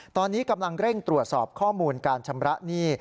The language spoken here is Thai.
ตอนนี้กำลังเร่งตรวจสอบข้อมูลการชำระหนี้